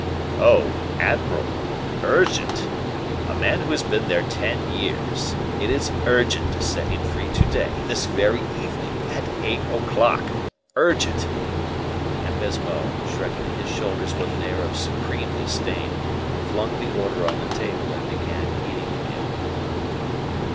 "Oh, admirable! 'Urgent!' a man who has been there ten years! It is urgent to set him free to day, this very evening, at eight o'clock! urgent!" And Baisemeaux, shrugging his shoulders with an air of supreme disdain, flung the order on the table and began eating again.